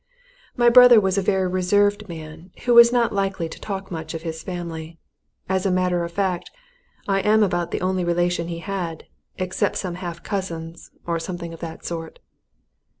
"My brother was a very reserved man, who was not likely to talk much of his family. As a matter of fact, I am about the only relation he had except some half cousins, or something of that sort."